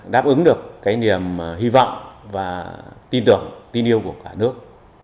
đáp ứng được cái niềm hy vọng và tin tưởng tin yêu của cả nước